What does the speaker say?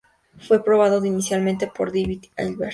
Fue probado inicialmente por David Hilbert.